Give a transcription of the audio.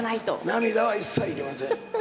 涙は一切いりません。